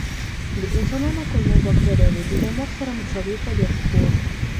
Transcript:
د انسانانو کولمو بکتریاوې د دماغ سره مشابه فعالیت ښود.